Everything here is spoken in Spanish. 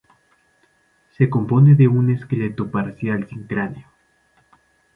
Se compone de un esqueleto parcial sin cráneo.